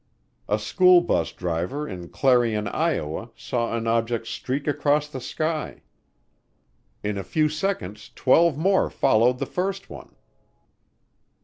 A school bus driver in Clarion, Iowa, saw an object streak across the sky. In a few seconds twelve more followed the first one.